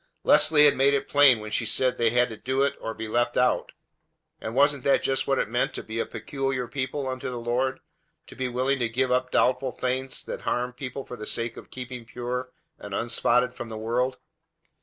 Leslie had made it plain when she said they had to do it or be left out. And wasn't that just what it meant to be a "peculiar people" unto the Lord, to be willing to give up doubtful things that harmed people for the sake of keeping pure and unspotted from the world?